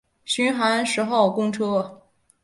循环十号公车